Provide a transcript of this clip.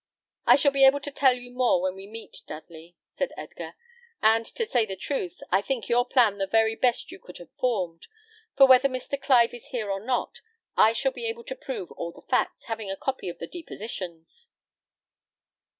"I shall be able to tell you more when we meet, Dudley," said Edgar; "and to say the truth, I think your plan the very best you could have formed; for whether Mr. Clive is here or not, I shall be able to prove all the facts, having a copy of the depositions."